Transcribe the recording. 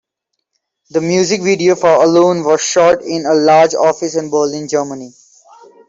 The music video for "Alone" was shot in a large office in Berlin, Germany.